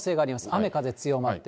雨風強まって。